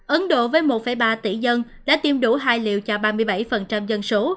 ấn độ với một ba tỷ dân đã tiêm đủ hai liệu cho ba mươi bảy dân số